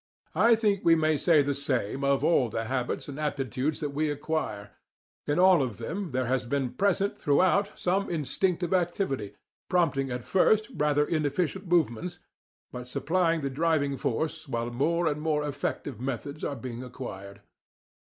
I think we may say the same of all the habits and aptitudes that we acquire in all of them there has been present throughout some instinctive activity, prompting at first rather inefficient movements, but supplying the driving force while more and more effective methods are being acquired.